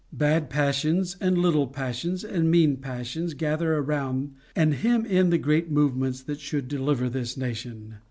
Bad passions and little passions and mean passions gather around and hem in the great movements that should deliver this nation.